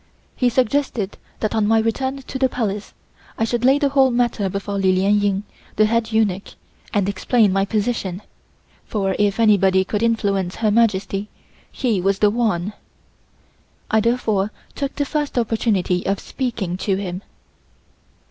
He suggested that on my return to the Palace I should lay the whole matter before Li Lien Ying, the head eunuch, and explain my position, for if anybody could influence Her Majesty, he was the one. I, therefore, took the first opportunity of speaking to him.